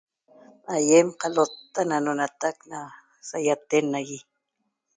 Aiem calota na nonataq na saiaten nahie